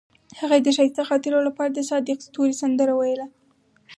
هغې د ښایسته خاطرو لپاره د صادق ستوري سندره ویله.